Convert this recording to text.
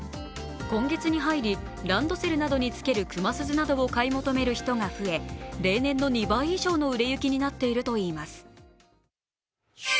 今月に入りランドセルなどにつける熊鈴などを買い求める人が増え例年の２倍以上の売れ行きになっているといいます。